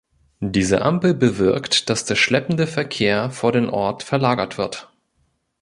Diese Ampel bewirkt, dass der schleppende Verkehr vor den Ort verlagert wird.